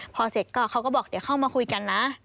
พอเสร็จก็เขาก็บอกเดี๋ยวเข้ามาคุยกันนะ